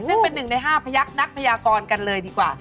ซึ่งเป็นหนึ่งใน๕พยักษ์นักพยากรกันเลยดีกว่า